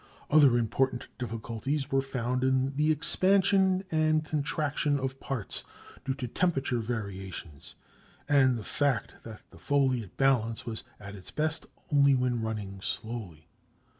Other important difficulties were found in the expansion and contraction of parts due to temperature variations, and the fact that the foliot balance was at its best only when running slowly.